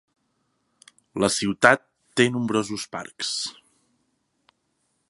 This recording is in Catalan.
La ciutat té nombrosos parcs.